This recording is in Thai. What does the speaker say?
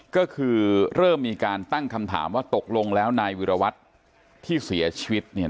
ก็คือเริ่มมีการตั้งคำถามว่าตกลงแล้วนายวิรวัตรที่เสียชีวิตเนี่ย